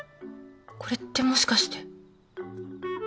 これってもしかして。